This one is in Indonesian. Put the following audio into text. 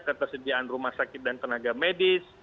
ketersediaan rumah sakit dan tenaga medis